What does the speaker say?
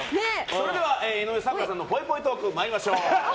それでは井上咲楽さんのぽいぽいトーク参りましょう。